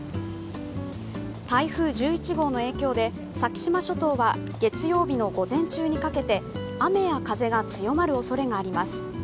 台風１１号の影響で先島諸島は月曜日の午前中にかけて雨や風が強まるおそれがあります。